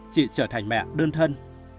chị trở thành mẹ đơn thân